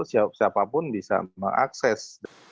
siapapun bisa mengakses